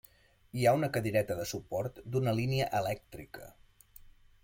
Hi ha una cadireta de suport d'una línia elèctrica.